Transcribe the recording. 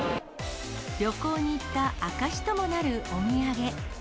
旅行に行った証しともなるお土産。